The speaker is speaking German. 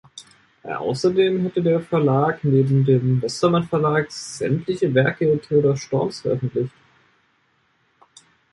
Außerdem hatte der Verlag neben dem Westermann-Verlag sämtliche Werke Theodor Storms veröffentlicht.